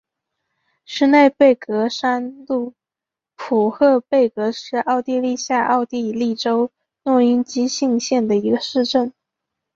施内贝格山麓普赫贝格是奥地利下奥地利州诺因基兴县的一个市镇。